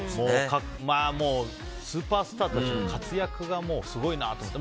もう、スーパースターたちの活躍がすごいなと思って。